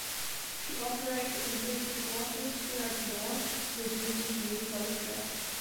She operated in British waters throughout the war, reducing the U-boat threat.